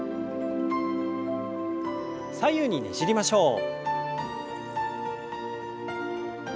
左右にねじりましょう。